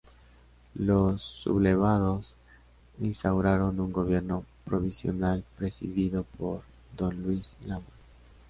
Los sublevados instauraron un gobierno provisional presidido por don Luis Lamas.